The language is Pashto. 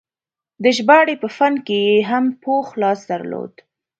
د ژباړې په فن کې یې هم پوخ لاس درلود.